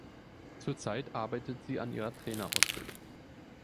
Zurzeit arbeitet sie an ihrer Trainerausbildung.